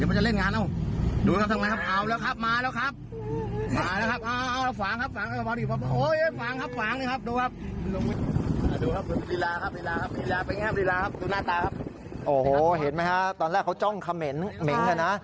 โอ้โหเห็นไหมครับตอนแรกเขาจ้องเขมน์ม็งค์กันนะ